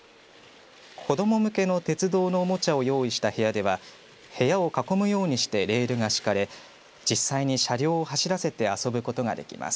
子ども向けの鉄道のおもちゃを用意した部屋では部屋を囲むようにしてレールが敷かれ実際に車両を走らせて遊ぶことができます。